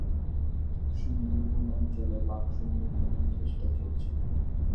সুন্দরবন অঞ্চলে বাঘ সংরক্ষণের চেষ্টা চলছে।